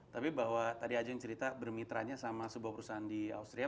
tapi bahwa tadi aja yang cerita bermitra nya sama sebuah perusahaan di austria